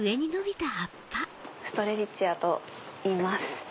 ストレリチアといいます。